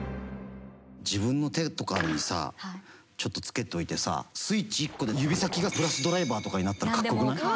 自分の手とかにさちょっとつけといてさスイッチ１個で指先がプラスドライバーとかになったらかっこよくない？